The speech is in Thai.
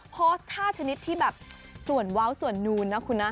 โพสต์ท่าชนิดที่แบบส่วนเว้าส่วนนูนนะคุณนะ